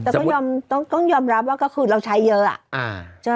แต่ก็ต้องยอมรับว่าก็คือเราใช้เยอะอะ